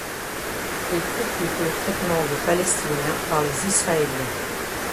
Il critique le traitement des Palestiniens par les Israéliens.